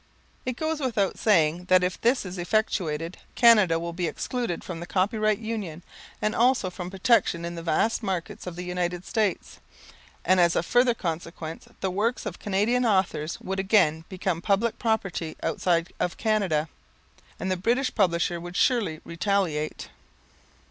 It goes without saying that if this is effectuated Canada will be excluded from the Copyright Union and also from protection in the vast market of the United States; and as a further consequence the works of Canadian authors would again become public property outside of Canada, and the British publisher would surely retaliate.